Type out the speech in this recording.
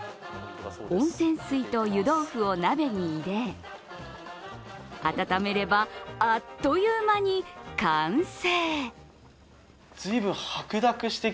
温泉水と湯豆腐を鍋に入れ、温めれば、あっという間に完成。